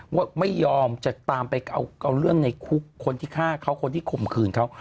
ว่าไม่ยอมจะตามไปเอาเรื่องในคุกคนที่ฆ่าเขาคนที่ข่มขืนเขา